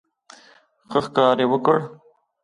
ښه ښکار یې وکړ.